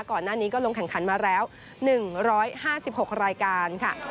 ก่อนหน้านี้ก็ลงแข่งขันมาแล้ว๑๕๖รายการค่ะ